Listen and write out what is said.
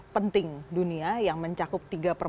penting dunia yang mencakup